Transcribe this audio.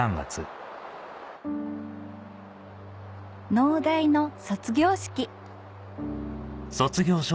農大の卒業式